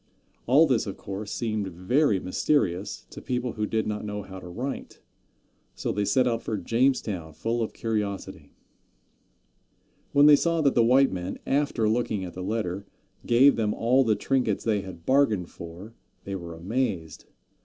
All this, of course, seemed very mysterious to people who did not know how to write, so they set out for Jamestown full of curiosity. When they saw that the white men, after looking at the letter, gave them all the trinkets they had bargained for, they were amazed.